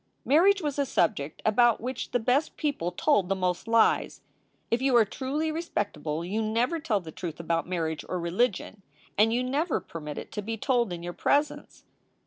Marriage was a subject about which the best people told the most lies. If you are truly respectable you never tell the truth about marriage or religion, and you never permit it to be told in your presence.